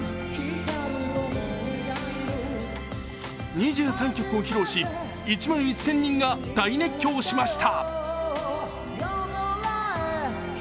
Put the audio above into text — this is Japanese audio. ２３曲を披露し、１万１０００人が大熱狂しました。